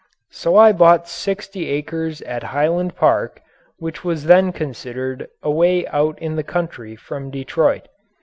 So I bought sixty acres at Highland Park, which was then considered away out in the country from Detroit.